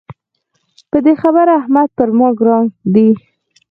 په دې خبره احمد پر ما ګران دی.